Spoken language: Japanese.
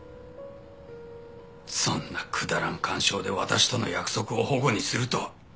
そんなくだらん感傷で私との約束を反故にするとは。